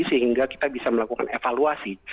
sehingga kita bisa melakukan evaluasi